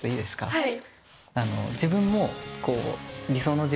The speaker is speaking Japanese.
はい。